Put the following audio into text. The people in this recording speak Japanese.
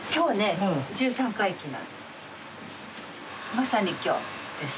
まさに今日です。